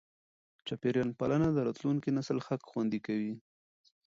چاپېریال پالنه د راتلونکي نسل حق خوندي کوي.